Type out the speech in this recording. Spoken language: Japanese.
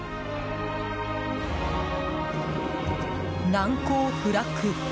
難攻不落。